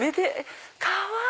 かわいい！